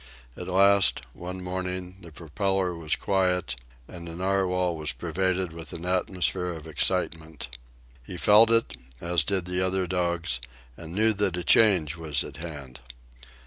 At last, one morning, the propeller was quiet, and the Narwhal was pervaded with an atmosphere of excitement. He felt it, as did the other dogs, and knew that a change was at hand.